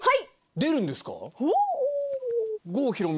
出るんですか？